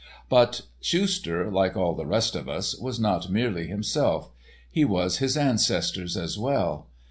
But Schuster, like all the rest of us, was not merely himself. He was his ancestors as well.